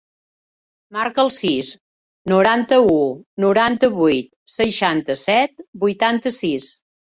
Marca el sis, noranta-u, noranta-vuit, seixanta-set, vuitanta-sis.